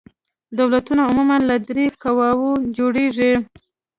دولتونه عموماً له درې قواوو جوړیږي.